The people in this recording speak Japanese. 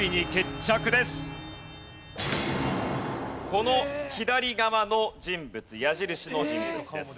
この左側の人物矢印の人物です。